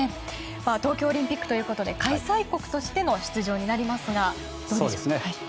東京オリンピックということで開催国としての出場になりますがどうでしょう。